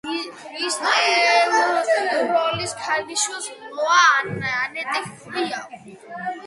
ნისტელროის ქალიშვილს მოა ანეტი ჰქვია.